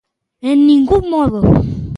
¡En ningún modo!